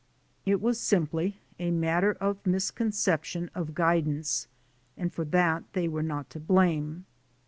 It was simply a matter of misconception of guidance, and for that they were not to blame.